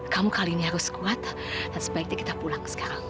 kamu kali ini harus kuat dan sebaiknya kita pulang sekarang